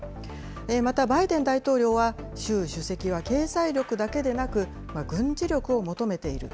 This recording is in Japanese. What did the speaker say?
またバイデン大統領は、習主席は経済力だけでなく、軍事力を求めている。